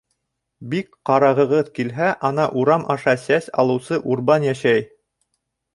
Бик ҡарағығыҙ килһә, ана, урам аша сәс алыусы Урбан йәшәй.